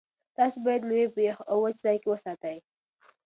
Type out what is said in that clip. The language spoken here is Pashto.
تاسو باید مېوې په یخ او وچ ځای کې وساتئ.